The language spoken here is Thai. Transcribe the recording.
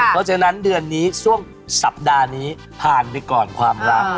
เพราะฉะนั้นเดือนนี้ช่วงสัปดาห์นี้ผ่านไปก่อนความรัก